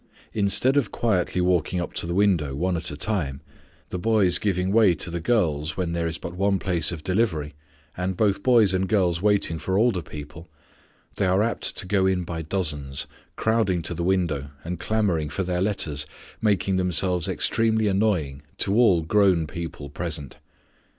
Instead of quietly walking up to the window, one at a time, the boys giving way to the girls when there is but one place of delivery, and both boys and girls waiting for older people, they are apt to go in by dozens, crowding to the window and clamoring for their letters, making themselves extremely annoying to all grown people present.